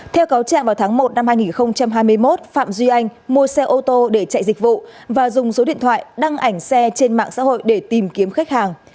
theo cáo trạng vào tháng một năm hai nghìn hai mươi một phạm duy anh mua xe ô tô để chạy dịch vụ và dùng số điện thoại đăng ảnh xe trên mạng xã hội để tìm kiếm khách hàng